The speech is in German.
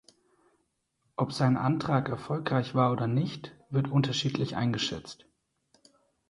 Ob sein Antrag erfolgreich war oder nicht wird unterschiedlich eingeschätzt.